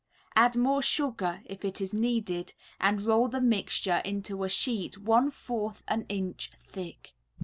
Add more sugar if it is needed and roll the mixture into a sheet one fourth an inch thick.